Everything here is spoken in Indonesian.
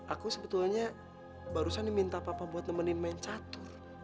aku sebetulnya barusan nih minta papa buat nemenin main catur